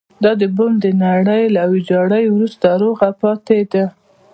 دا بڼ د نړۍ له ويجاړۍ وروسته روغ پاتې دی.